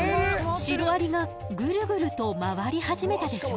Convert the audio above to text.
シロアリがぐるぐると回り始めたでしょ？